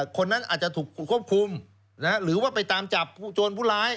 คนนั้นอาจจะถูกควบคุมหรือว่าไปตามจับโจรผู้ร้าย